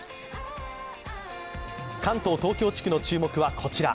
関東・東京地区の注目はこちら。